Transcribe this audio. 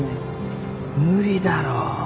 無理だろ。